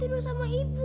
seru sama nenek kamu